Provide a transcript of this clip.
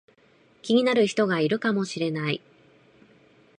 気になる人がいるかもしれない